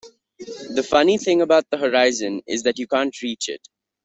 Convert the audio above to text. The funny thing about the horizon is that you can't reach it.